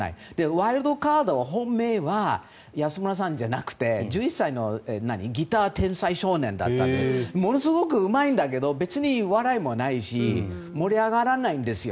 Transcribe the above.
ワイルドカードの本命は安村さんじゃなくて１１歳のギター天才少年でものすごくうまいんだけど別に笑いもないし盛り上がらないんですよ。